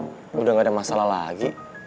pun nih udah gak ada masalah lagi